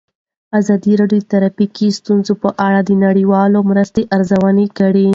ازادي راډیو د ټرافیکي ستونزې په اړه د نړیوالو مرستو ارزونه کړې.